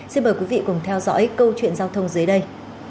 xin mời quý vị cùng theo dõi câu chuyện giao thông dưới đây